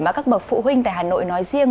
mà các bậc phụ huynh tại hà nội nói riêng